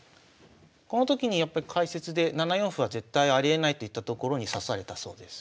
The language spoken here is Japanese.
このときにやっぱり解説で７四歩は絶対ありえないと言ったところに指されたそうです。